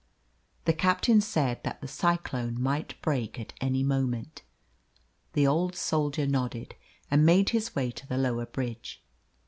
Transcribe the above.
The captain said that the cyclone might break at any moment. The old soldier nodded, and made his way to the lower bridge.